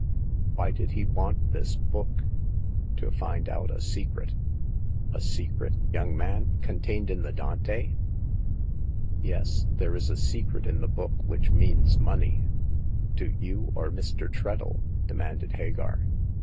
Why did he want this book ?" "To find out a secret." "A secret, young man — contained in the Dante ?" "Yes. There is a secret in the book which means money." " To you or Mr. Treadle ?" demanded Hagar.